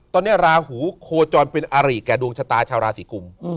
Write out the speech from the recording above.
ตอนนี้ราหูโคจรเป็นอาริแก่ดวงชะตาชาวราศีกุม